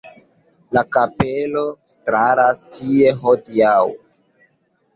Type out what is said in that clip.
La kapelo staras tie hodiaŭ.